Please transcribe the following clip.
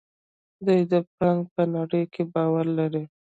د دوی بانکونه په نړۍ کې باوري دي.